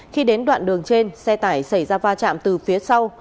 khi đến đoạn đường trên xe tải xảy ra va chạm từ phía sau